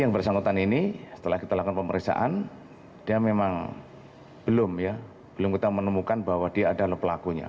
yang bersangkutan ini setelah kita lakukan pemeriksaan dia memang belum ya belum kita menemukan bahwa dia adalah pelakunya